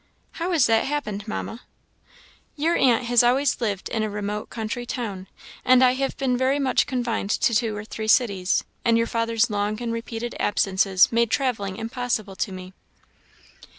"How has that happened, Mamma?" "Your aunt has always lived in a remote country town, and I have been very much confined to two or three cities, and your father's long and repeated absences made travelling impossible to me."